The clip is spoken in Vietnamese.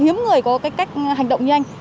hiếm người có cái cách hành động nhanh